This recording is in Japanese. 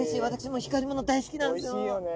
私も光り物大好きなんですよ。